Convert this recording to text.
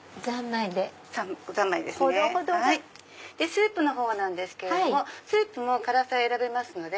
スープのほうなんですけどスープも辛さ選べますので。